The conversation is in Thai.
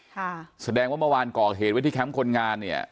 แสดงว่าเมื่อวานก่อเหตุไว้ที่แคมป์คนงานเนี่ย